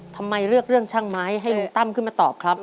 ทำไมเลือกเรื่องช่างไม้ให้ลุงตั้มขึ้นมาตอบครับ